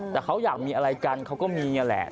แต่เขาอยากมีอะไรกันเขาก็มีนั่นแหละ